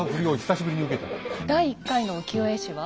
第１回の浮世絵師は？